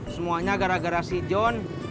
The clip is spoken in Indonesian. semuanya gara gara si john